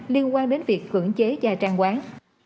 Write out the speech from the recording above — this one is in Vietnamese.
liên quan đến việc cưỡng chế gia trang quán